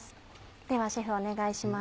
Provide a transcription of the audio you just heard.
ではシェフお願いします。